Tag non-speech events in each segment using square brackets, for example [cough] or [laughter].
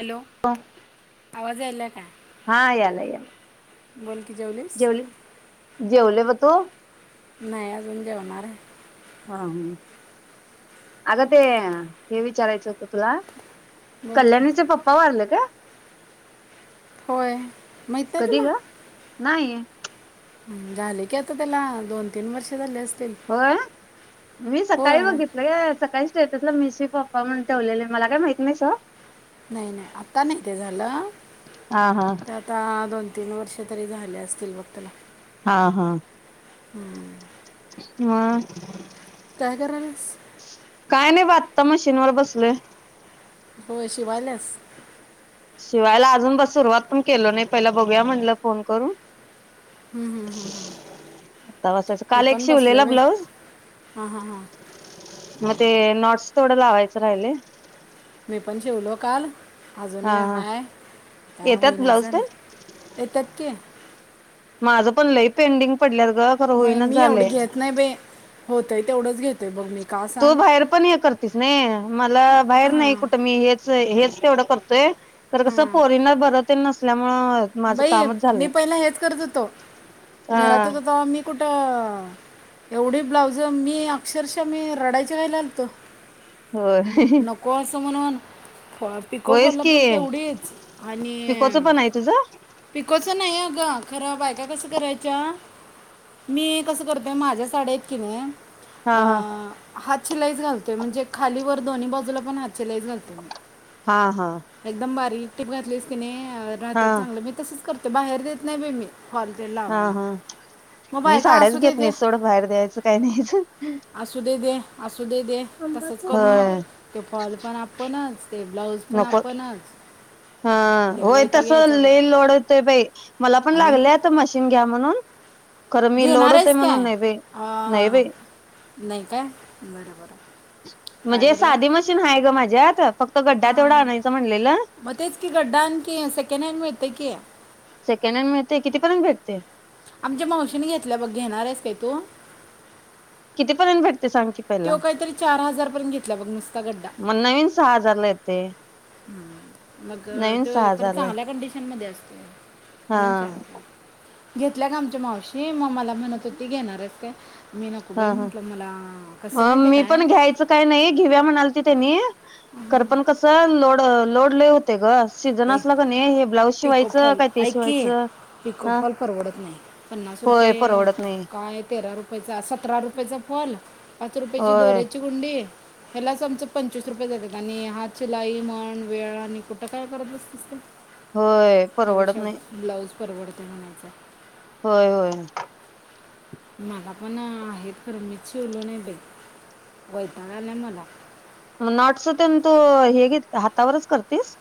Hello हा आवाज यायला का यालाय यालाय बोल की जेवलीस जेवले जेवले ब तू नाही अजून जेवणारे हा हूं अगं ते हे विचारायचं होत तुला बोल की कल्याणीचे पप्पा वारले काय होय माहीत नाही कधी तुला ग नाही हूं झाले की आता त्याला दोन तीन वर्ष झाले अस होय मी सकाळी नाही बघितलं ग सकाळीस स्टेटसला मिस यू पप्पा म्हणून ठेवलेल मला काय माहित नाही सोड. नाही नाही आता नही ते झालं हा हा ते आता दोन तीन वर्ष काहीतरी झाले असतील बघ तेला हा हा हां आ टायगर हल्स त मशीन वर बसलोय. होय शीवायल्यास शिवायला अजून बस सुरुवात पण केलो नाही पहिला बघूया म्हनलं फोन करून हूं हूं हूं आता बसायचं हे काल एक पण शिवलेला बसलय बाई ब्लाऊज हा हा मग ते नॉट्स थोडं लावायचं राहिलय. मी पण शिवलो काल हा आजूनइ हा हाय काय होई येतात नाच ब्लाऊज तेन झालय एतातकी पणलई पेंडिंग पडल्यात ग खरं मय होईनाच मी एवढ झालंय. घेत नाई बाई होतय तेवढंच घे ते बघ मी का तू सांग भाहेर पण हे करतीस नई मला भाहेर नाई हां कुटं मी हेच ज हेच तेवढं करतोय तर कस हां पोरींना बरत ते नसल्याम बाई मी पहिला हेच करत होतो घरात हा च होतो आम्ही कूट ट एवढे ब्लाउज मी अक्षरशः मी रडायच्या घाईला अलतो. होय ही ही त म्हणून पिको फॉल पण तेवढीच आणी अ पिकोचं पण आहे तुझं पिको च नाही अग खर बायका कस करायच्या मी कस करते माज्या साडया आहेत की नाही हा हा आ अ हात शिलाई च घालते म्हणजे खाली वर दोन्ही बाजूला पण हात शिलाईच घालते मी. हा हा एकदम बारीक टीप घातलीस की नई हा मी तसंच करते बाहेर देत नाही बाई मी फॉल ते हा लावायला हा मग मी बायका साड्याच असू दे घेत दे नाही सोड बाहेर द्यायचं काही नाहीच असुदे दे असुदे दे तसच करून मग होय ते फॉल पण आपणच. ते ब्लाऊज पण नको आपणच. हा लय होय वैताग तसं घ्यायचा बाई लोड होत बाई मला पण आणि लागलं आता मशीन घ्या म्हणून खर मी लोड घेणार होतय आहेस काय म्हणून नाय बाई नाय अं, बाई... नाही काय बरं बरं काय म्हणजे बरं साधी मशीन हाय ग माज्यात फक्त गड्डा तेवढं आणायचा म्हणलेल, मग तेच की गड्डा आणखी सेकंड हँड मिळतं की सेकंड हॅण्ड मिळतयं, किती पर्यंत भेटतय. आमच्या मावशींनी घेतलाय बघ घेणारेस का तू? किती पर्यंत भेट त्यो काही तरी चार हजार पर्यंत घेतला बघ नुसता गड्डा मग नवीन सहा हजारला येते हम्म मग नवीन सहा तो हजारला चांगल्या कंडीशन मध्ये असतो हा म्हणून चार हजार ला.. घेतल्या ग आमच्या मावशी म मला म्हणत होती घेणारयस काय? मी नको बाई म्हटलं मला कसं आम् माहिती आहे मी पण घ्यायचं काही नाही घेऊया म्हणालत त्यांनी खरं पण कस लोड.... लोड लय होतोय ग... सीझन ये असला का नाही हे ब्लाऊज शिवायचं पीकोफॉल काय ते ऐक की शिवायचं पिको हा फॉल परवडत नाही पन्नास होय रुपये परवडत नाही काय तेरा रुपये चा असा... अठरा रुपयचा फॉल पाच रुपयाची होय दोऱ्याची गुंडी. ह्यालाच आमच पंचवीस रूपये जात्यात आणि हातशिलाई म्हण वेळ आणि कुठं काय करत बस्तितीस ग? होय परवडत नाही परवडतय म्हणायचं. होय होय. मला पण आहेत खर मी शिवलोय नाही बाई वैताग आलाय मला. मग नॉटस होते ना तू हे घेत हातावरच करतीस.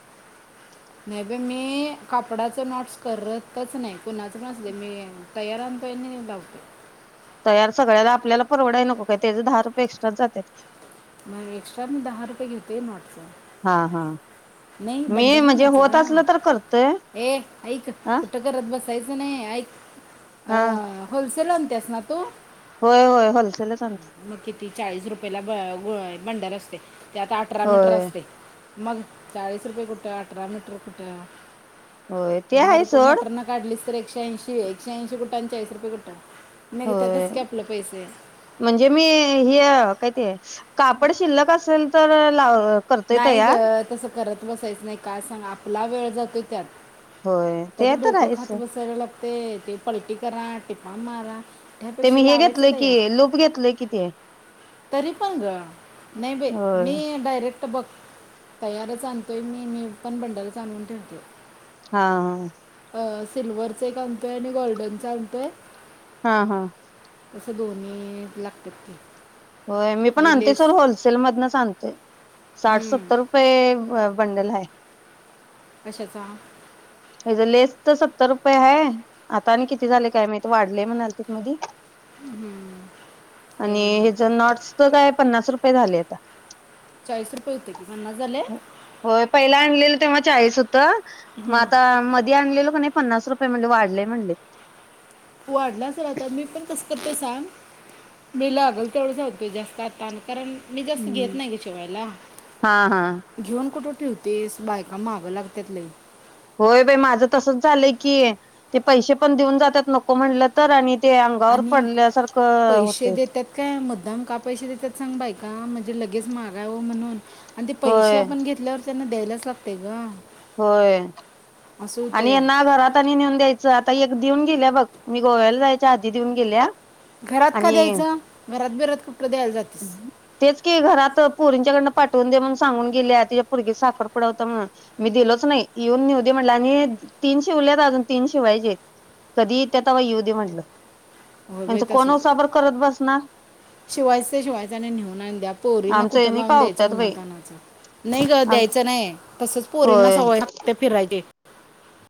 नाही बाई मी कापडाच नॉटस करतच नाही कुणाच पण असुदे मी तयार आणतोय अन् लावतोय... तयार सगळ्याला आपल्याला परवडाय नको काय त्याचे दहा रुपये एक्स्ट्रा जात्यात की... म एक्स्ट्रा मी दहा रुपये घेतोय नॉटच. हा हा. नाही मी बंडल म्हणजे आणायचं होत असलं तर करतोय ग ए ऐक हा कुठ करत बसायचं नाही ऐक अ हा हो सेल आणतीयास ना तू? होय होय हल मग किती चाळीस रुपयेला ग बंडल असतोय. त्यात अठरा मीटर होय. असतयं. मग चाळीस रुपये कुठं? अठरा मीटर कुठं? होय ते दहा हाय रुपये सोड. मटरनं काढलीस तर एकशेऐंशी एकशेऐंशी कुट आणि चाळीस रुपये कुट निघत्यातच की आपल पैसे जे मी ह्य काय ते कापड शिल्लक असेल तर लाव करतोय नाही ग तयार तस करत बसायचं नाही का सांग आप आपला वेळ जातोय त्यात होय ते तर हायच सोड ते ते पलटी करा टिपां मारा ते त्यापेक्षा मी हे घेतलंय लावायचं की तयार लूप घेतलंय कि ते तरी पण ग नाही बाई होय मी डायरेक तिथं बघ तयारच आणतोय मी मी पण बंडलच आणून ठेवतोय. हा हा अ सिल्वरच एक आणतोय आणि गोल्डनच आणतोय. हा हा तंस दोन्ही लागत्यात ते होय मी पण आणि आणतोय लेस सोड होलसेल मधनच आणतोय साठ हम्म, सत्तर रुपये बंडल हाय कशाचा तिथं सत्तर रुपय हाय आता आणि किती झालाय काय माहित वाढलय म्हणालतीत मधी हम्म ते अ अस्तर काय पन्नास रुपये झालय आता चाळीस रुपये होते की पन्नास झाले होय पहिला आणलेलं तेव्हा चाळीस होत म आता मधी आणलेलो कनाई पन्नास रु होय म्हणल वाढलय म्हणल वाढल असलं आता मी पण कसं होतय सांग मी लागलं तेवढच आणतोय जास्त आता आणत कारण मी जास्त घेत नाही ग शिवायला हा हा घिऊन कुट ठिवतीस बायका माग लागत्यात लय होय बाई माझं तसंच झालय की ते पैशे पण देऊन जात्यात नको म्हणल तर आणि ते अंगावर आणि पडल्यासारखं पैसे होतय देतात काय मुद्दाम का पैशे देत्यात सांग बायका म्हजे लगेच मागावं म्हणून आनी ते पैशे होय आपण घेतल्यावर त्यांना द्यायलाच लागतंय ग होय असं आनि होतंय यांना घरात आनि नेऊन द्यायचं आता एक देऊन.. दिल्या बघ मी गोव्याला जायचा आधी देऊन गेल्या.... घरात का आनि द्यायचं घरात बिरात कुठं द्यायला जातेस तेच की घरात पोरींच्या कड न.... पाठून दे म्हणून सांगून गेल्यात तिच्या पोरगीचा साखरपुडा होता म्हणून मी दिलच नई येऊन नेऊ दे.... म्हटलं अनि तीनशे उरल्यावर अजून तीनशे पाईजे कधी ते आता येऊ दे म्हटलं हो यांच येत कोण असेल उसाबर करत बसणार शिवाय सेज व्हायनांना नेहुन आणल्या. पोरींना आमचं कुठं हेनी लावून द्यायचं कावत्यात उन्हा बाई. तान्ह च नाई गं द्यायचं नाई तसंच पोरींना.... होय सवय लागते फिरायची.......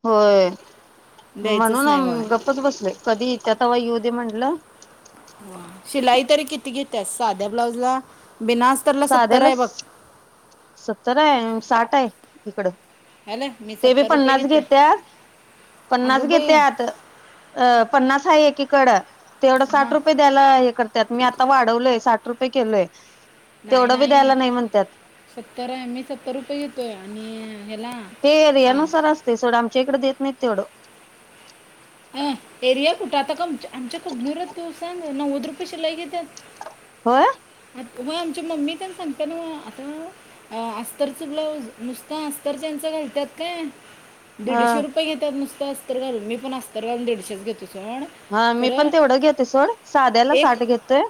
होय द्यायचंच म्हनून नाही अम वय गप्पच बसलोय.. कधी येत्यात तवा येऊदे म्हणलं... शिलाई तरी किती घेत्या साध्या ब्लाऊजला? बीना अस्तरला सत्तर साध्याला आय बघ.. सत्तर हे साठ हाय इकडं.... हॅलो मी ते बी सत्तर रुपये पन्नास घेतोय घेत्यात पन्नास अगं बाई घेत्यात अ पन्नास.... हाय एकीकडं.... तेवढं हां साठ रूपे द्यायला हे करत्यात मी आता वाढवलय साठ.. रूपे किलोय. नाई नाई सत्तर आय मी सत्तर रूपे घेतोय...... आणि.. ह्याला ते रेनु सर असते सोड आमचे इकडे देत नी तेवढं अं एरिया कुठे आता का आमच्या आमच्या खूप दुरत तू सांग नव्वद रुपये शिलाई घेत्यात.. होय.... व आमच्या मम्मी त्यांना सांगते नव आता अस्तरच ब्लाऊज नुसत अस्तर त्यांचं घालतात काय.. ह दीडशे रुपय घेतात नुस.. अस्तर घालून मी पण अस्तर घालून दिडशेच घेतो..... सोड हा मी खरं पण तेवढं घेते सोड साध्याला एक साठ घेतोय...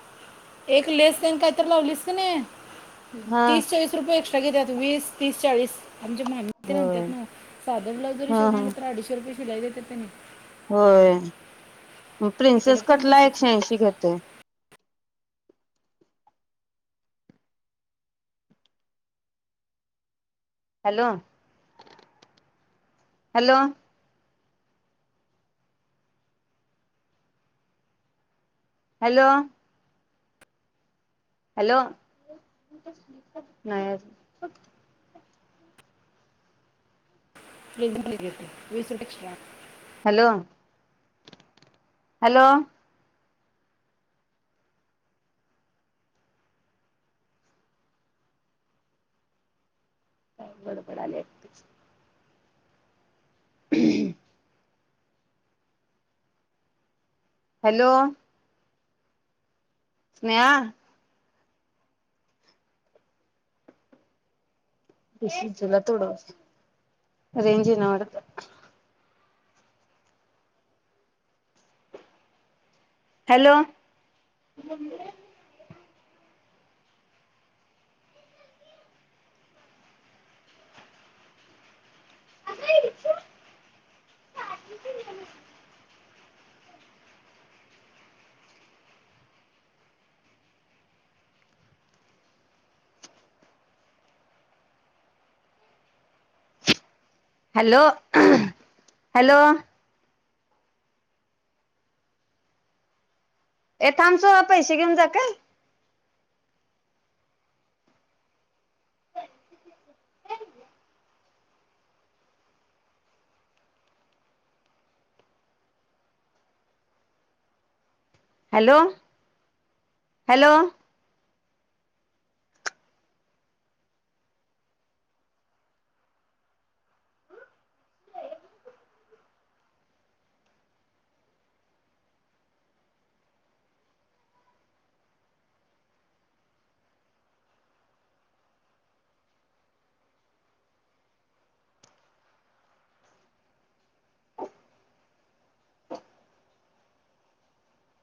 एक लेस एन काही तर लावलीस की नाही हा तीस चाळीस रुपये एक्स्ट्रा घेत्यात.... वीस तीसचाळीस.... आमच्या मामी त्या होय म्हनत्यात नव साधं ब्लाउज जरी हा शिवून हा आणलं तरी अडीचशे रुपये...... शिलाई देत्यात त्यांनी.... होय म इकडे प्रिंसेस पण कटला तसंच एकशे ऐंशी घेतोय.. हॅलो हॅलो हॅलो हॅलो.. नाही अजून [unintelligible] प्ज घेते वीस रुपये एक्स्ट्रा... हॅलो हॅलो. काय बडबडाल्या एकटीच? [inaudible] हॅलो. स्नेहा [inaudible] थोड रेंज ईना वाटत. हॅलो. असं इथून [inaudible] हॅलो, हॅलो. ए थांब सोहा पैसे घेऊन जा काय. Hello, hello.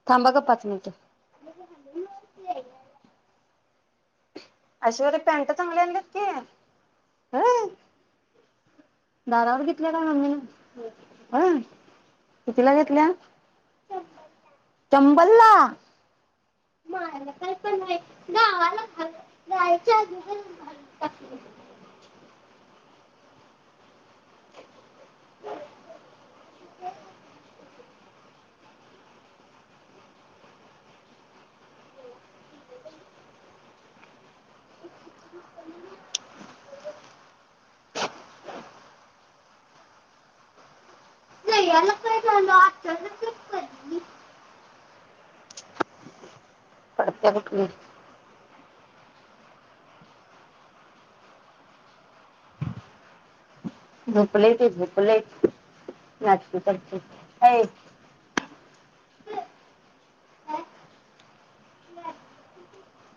थांबा का पाच मिनिटं ऐश्वर्या पॅन्टा चांगले आणलीत की. होय? दारावर घेतल्या काय मम्मीनं? हं, कितीला घेतल्या? चंबललआ. [inaudible] [unintelligible] पडत्या कुठली. झोपलय ते झोपलय, नाटकी करतंय. अये